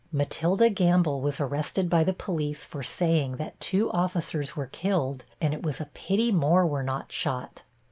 Matilda Gamble was arrested by the police for saying that two officers were killed and it was a pity more were not shot.